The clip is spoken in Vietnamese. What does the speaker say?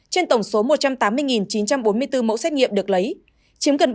trên tổng số một trăm tám mươi chín trăm bốn mươi bốn mẫu xét nghiệm được lấy chiếm gần bốn mươi